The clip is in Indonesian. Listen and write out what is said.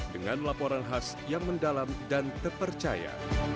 dengan laporan khas yang mendalam dan terpercaya